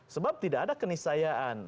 sebab tidak ada kenyataan